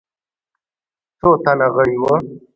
څو تنه غړي وه.